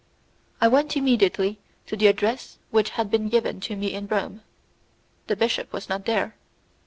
I went immediately to the address which had been given to me in Rome; the bishop was not there.